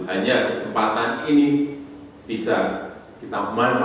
hanya kesempatan ini bisa kita manfaatkan